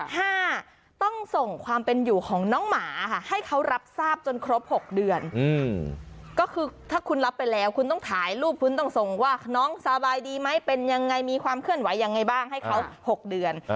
ห้าต้องส่งความเป็นอยู่ของน้องหมาค่ะให้เขารับทราบจนครบหกเดือนก็คือถ้าคุณรับไปแล้วคุณต้องถ่ายรูปคุณต้องส่งว่าน้องสบายดีไหมเป็นยังไงมีความเคลื่อนไหวยังไงบ้างให้เขา๖เดือน